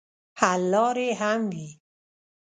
حل لارې هم وي.